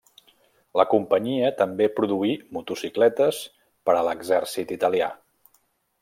La companyia també produí motocicletes per a l'exèrcit italià.